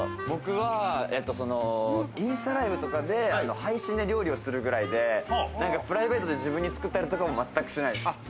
僕はインスタライブとかで配信で料理をするくらいで、プライベートで自分に作ったりとかは全くしないです。